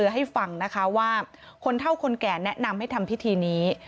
ให้ฟังนะคะว่าคนเท่าคนแก่แนะนำให้ทำพิธีนี้